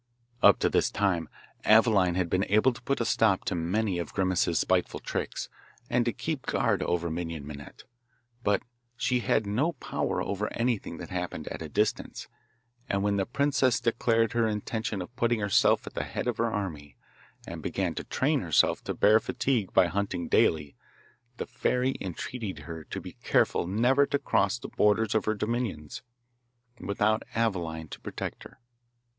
Up to this time Aveline had been able to put a stop to many of Grimace's spiteful tricks, and to keep guard over Minon Minette, but she had no power over anything that happened at a distance; and when the princess declared her intention of putting herself at the head of her army, and began to train herself to bear fatigue by hunting daily, the fairy entreated her to be careful never to cross the borders of her dominions without Aveline to protect her.